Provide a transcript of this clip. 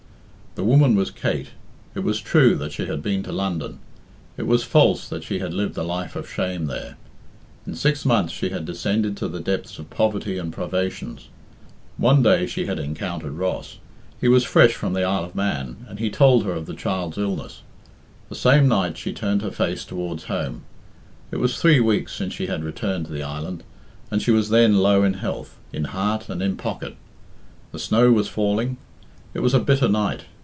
The woman was Kate. It was true that she had been to London; it was false that she had lived a life of shame there. In six months she had descended to the depths of poverty and privations. One day she had encountered Ross. He was fresh from the Isle of Man, and he told her of the child's illness. The same night she turned her face towards home. It was three weeks since she had returned to the island, and she was then low in health, in heart, and in pocket. The snow was falling. It was a bitter night.